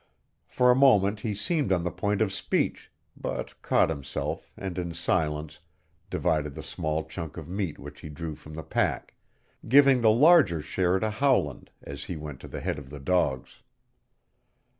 For a moment he seemed on the point of speech, but caught himself and in silence divided the small chunk of meat which he drew from the pack, giving the larger share to Howland as he went to the head of the dogs.